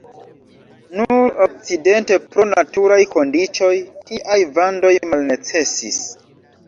Nur okcidente pro naturaj kondiĉoj tiaj vandoj malnecesis.